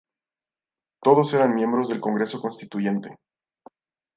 Todos eran miembros del Congreso Constituyente.